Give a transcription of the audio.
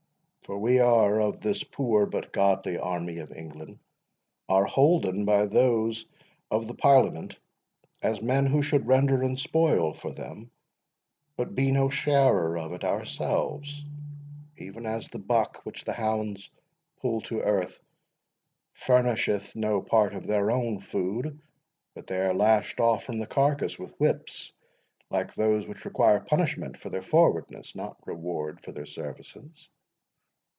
For we of this poor but godly army of England, are holden, by those of the Parliament, as men who should render in spoil for them, but be no sharer of it ourselves; even as the buck, which the hounds pull to earth, furnisheth no part of their own food, but they are lashed off from the carcass with whips, like those which require punishment for their forwardness, not reward for their services.